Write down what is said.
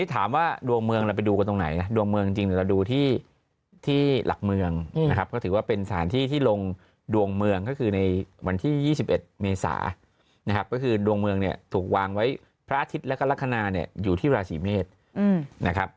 ถามว่าดวงเมืองเราไปดูกันตรงไหนดวงเมืองจริงเราดูที่หลักเมืองนะครับก็ถือว่าเป็นสถานที่ที่ลงดวงเมืองก็คือในวันที่๒๑เมษานะครับก็คือดวงเมืองเนี่ยถูกวางไว้พระอาทิตย์แล้วก็ลักษณะเนี่ยอยู่ที่ราศีเมษนะครับ